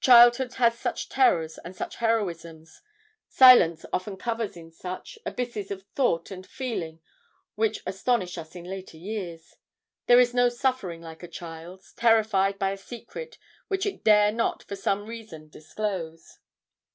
Childhood has such terrors and such heroisms. Silence often covers in such, abysses of thought and feeling which astonish us in later years. There is no suffering like a child's, terrified by a secret which it dare not for some reason disclose.